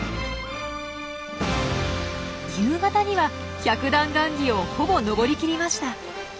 夕方には百段ガンギをほぼ登りきりました。